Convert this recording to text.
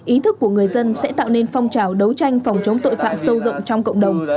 ý thức của người dân sẽ tạo nên phong trào đấu tranh phòng chống tội phạm sâu rộng trong cộng đồng